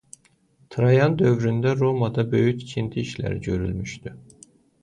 Trayan dövründə Romada böyük tikinti işləri görülmüşdü.